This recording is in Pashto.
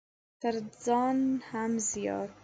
تر ځان هم زيات!